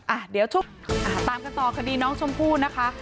อ่ะเดี๋ยวชุบตามกันต่อคดีน้องชมพู่นะคะ